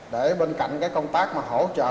để bên cạnh công tác hỗ trợ